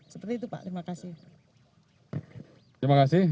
seperti itu pak terima kasih